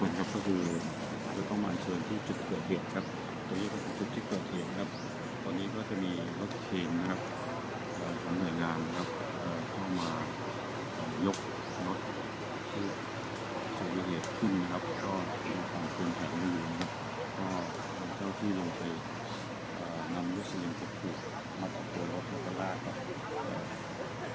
พระราชกรรมภูมิค่อนข้างจะเริ่มเพิ่มประมาณ๑๐๐นาทีเท่านั้นพระราชกรรมภูมิค่อนข้างจะเริ่มเพิ่มประมาณ๑๐๐นาทีเท่านั้นพระราชกรรมภูมิค่อนข้างจะเริ่มเพิ่มประมาณ๑๐๐นาทีเท่านั้นพระราชกรรมภูมิค่อนข้างจะเริ่มเพิ่มประมาณ๑๐๐นาทีเท่านั้นพระราชกรรมภูมิค่อนข้างจะเริ่มเพิ่มประมาณ๑๐๐นาที